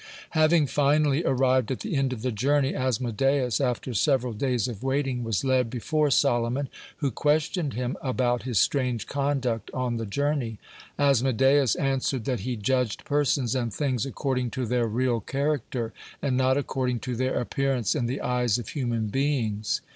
Having finally arrived at the end of the journey, Asmodeus, after several days of waiting, was led before Solomon, who questioned him about his strange conduct on the journey. Asmodeus answered that he judged persons and things according to their real character, and not according to their appearance in the eyes of human beings.